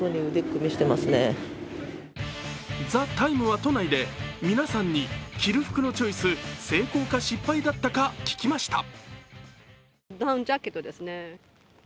「ＴＨＥＴＩＭＥ，」は都内で皆さんに着る服のチョイス成功か失敗だったか聞きました。